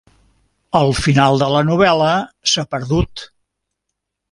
El final de la novel·la s'ha perdut.